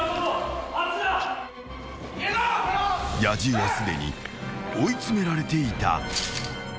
［野獣はすでに追い詰められていた］